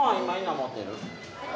持ってる？